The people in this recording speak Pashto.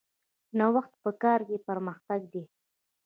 نوښت په کار کې پرمختګ دی